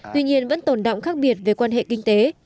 tuy nhiên vẫn tồn động khác biệt về quan hệ kinh tế